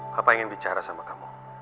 bapak ingin bicara sama kamu